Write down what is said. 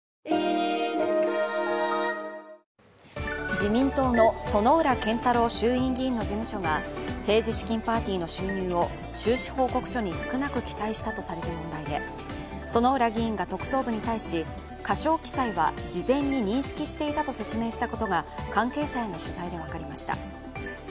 自民党の薗浦健太郎衆院議員の事務所が政治資金パーティーの収入を収支報告書に少なく記載したとされる問題で薗浦議員が特捜部に対し、過少記載は事前に認識していたと説明していたことが関係者への取材で分かりました。